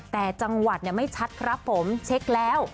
แต่จังหวัดไม่ชัดครับผมเช็คแล้ว